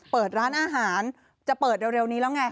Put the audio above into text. เปิดร้านอาหารจะเปิดเร็วนี้แล้วไง